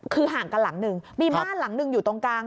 คือห่างกันหลังหนึ่งมีบ้านหลังหนึ่งอยู่ตรงกลาง